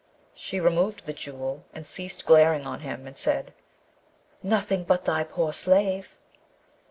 She removed the Jewel, and ceased glaring on him, and said, 'Nothing but thy poor slave!'